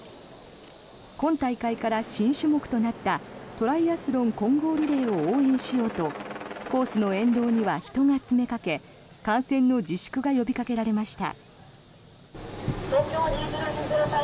今大会から新種目となったトライアスロン混合リレーを応援しようとコースの沿道には人が詰めかけ観戦の自粛が呼びかけられました。